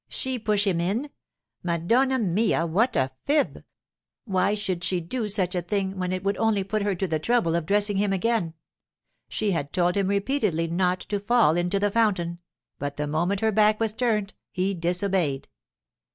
She push him in! Madonna mia, what a fib! Why should she do such a thing as that when it would only put her to the trouble of dressing him again? She had told him repeatedly not to fall into the fountain, but the moment her back was turned he disobeyed.